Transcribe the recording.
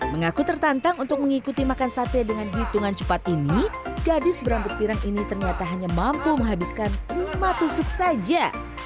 mengaku tertantang untuk mengikuti makan sate dengan hitungan cepat ini gadis berambut pirang ini ternyata hanya mampu menghabiskan lima tusuk saja